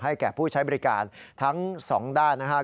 แก่ผู้ใช้บริการทั้งสองด้านนะครับ